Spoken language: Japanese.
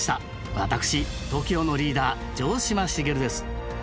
私ＴＯＫＩＯのリーダー城島茂です。